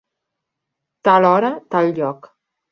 Tal hora tal lloc.